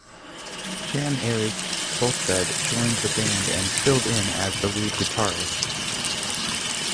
Jan Erik Soltvedt joined the band and filled in as the lead guitarist.